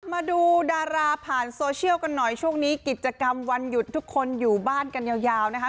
มาดูดาราผ่านโซเชียลกันหน่อยช่วงนี้กิจกรรมวันหยุดทุกคนอยู่บ้านกันยาวนะคะ